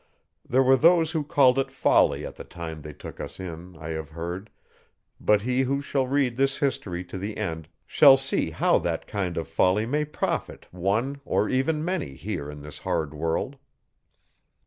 There were those who called it folly at the time they took us in, I have heard, but he who shall read this history to the end shall see how that kind of folly may profit one or even many here in this hard world.